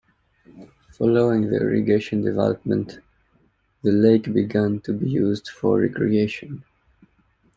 Following the irrigation development, the lake began to be used for recreation.